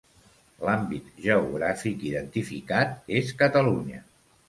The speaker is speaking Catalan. L'àmbit geogràfic identificat és Catalunya.